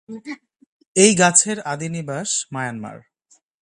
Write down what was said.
এই গাছের আদিনিবাস মায়ানমার।